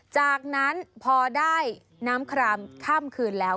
จากนั้นพอได้น้ำครามข้ามคืนแล้ว